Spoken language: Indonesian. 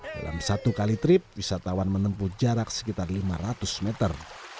dalam satu kali trip wisatawan menempuh jarak sekitar lima ratus meter